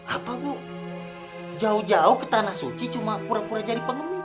apa bu jauh jauh ke tanah suci cuma pura pura jadi pengemik